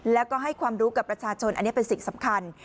แล้วก็ให้ความรู้กับประชาชนอันนี้เป็นสิ่งสำคัญ